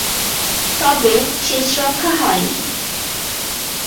তবে শেষ রক্ষা হয়নি।